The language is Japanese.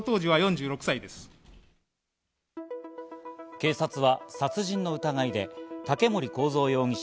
警察は殺人の疑いで竹森幸三容疑者